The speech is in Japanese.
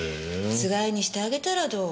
つがいにしてあげたらどう？